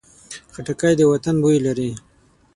خټکی د وطن بوی لري.